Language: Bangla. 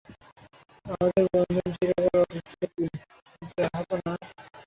আমাদের বন্ধন চিরকাল অটুট থাকবে, জাহাঁপনা।